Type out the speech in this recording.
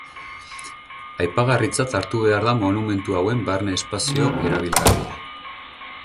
Aipagarritzat hartu behar da monumentu hauen barne espazio erabilgarria.